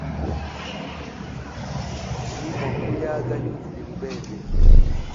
Nimwa kuyaga yunzu limo bebe.